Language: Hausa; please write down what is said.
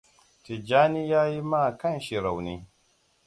Tijjani ya ji ma kanshi rauni.